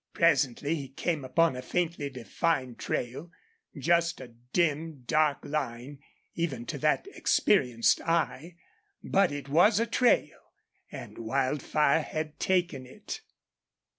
Presently he came upon a faintly defined trail, just a dim, dark line even to an experienced eye. But it was a trail, and Wildfire had taken it.